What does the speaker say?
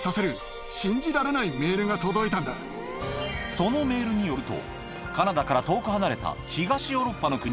そのメールによるとカナダから遠く離れた東ヨーロッパの国